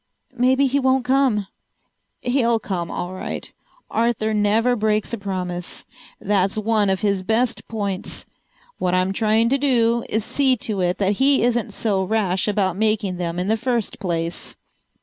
"Maybe he won't come." "He'll come all right. Arthur never breaks a promise. That's one of his best points. What I'm trying to do is see to it that he isn't so rash about making them in the first place."